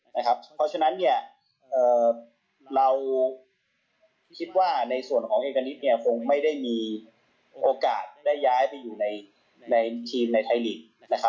เพราะฉะนั้นเราคิดว่าในส่วนของเอกณิตคงไม่ได้มีโอกาสได้ย้ายไปอยู่ในทีมในไทยลีก